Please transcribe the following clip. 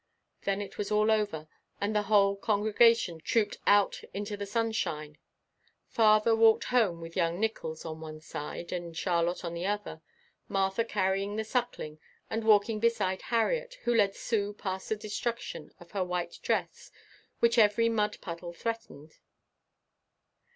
Then it was all over and the whole congregation trooped but into the sunshine. Father walked home with young Nickols on one side and Charlotte on the other, Martha carrying the Suckling and walking beside Harriet, who led Sue past the destruction of her white dress which every mud puddle threatened.